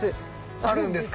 あるんですか？